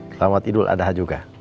selamat idul adha juga